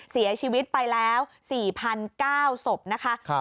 เสียชีวิตไปแล้ว๔๙ศพนะคะ